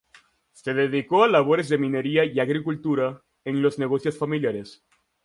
Se dedicó a labores de minería y agricultura en los negocios familiares.